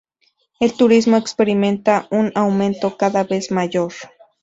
El turismo experimenta un aumento cada vez mayor.